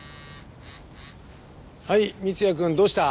はい三ツ矢くんどうした？